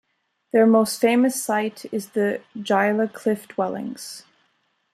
Their most famous site is the Gila Cliff Dwellings.